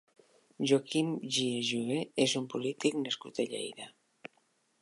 Joaquín Gías Jové és un polític nascut a Lleida.